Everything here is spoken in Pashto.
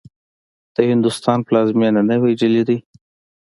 د هندوستان پلازمېنه نوې ډيلې دې.